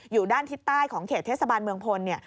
อยู่ด้านทิศใต้ของเขตเทศบาลเมืองพลเนี่ย